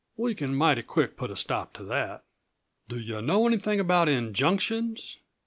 We can mighty quick put a stop to that. Do yuh know anything about injunctions?